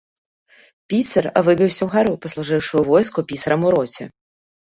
Пісар выбіўся ўгару, паслужыўшы ў войску, пісарам у роце.